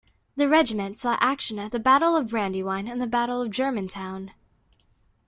The regiment saw action at the Battle of Brandywine and the Battle of Germantown.